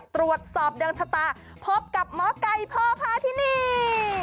ตรวจสอบดวงชะตาพบกับหมอไก่พ่อพาที่นี่